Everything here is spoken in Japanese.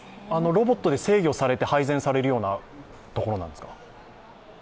ロボットで制御されて配膳されるようなところなんですか？